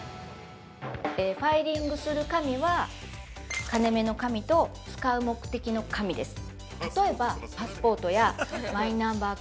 ◆ファイリングする紙は金目の紙と使う目的の紙です。